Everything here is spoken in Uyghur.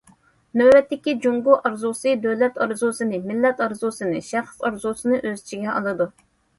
نۆۋەتتىكى« جۇڭگو ئارزۇسى» دۆلەت ئارزۇسىنى، مىللەت ئارزۇسىنى، شەخس ئارزۇسىنى ئۆز ئىچىگە ئالىدۇ.